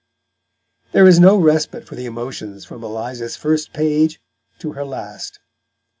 There is no respite for the emotions from Eliza's first page to her last.